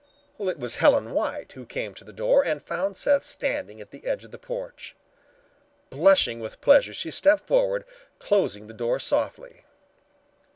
It was Helen White who came to the door and found Seth standing at the edge of the porch. Blushing with pleasure, she stepped forward, closing the door softly.